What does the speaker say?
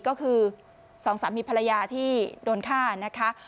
ก็คือสองสามีภรรยาที่โดนฆ่านะคะ